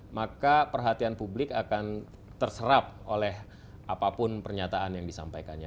maka perhatian publik akan terserap oleh apapun pernyataan yang disampaikannya